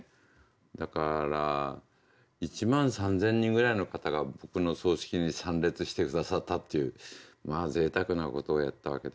だから１万３，０００人ぐらいの方が僕の葬式に参列して下さったっていうまあぜいたくなことをやったわけで。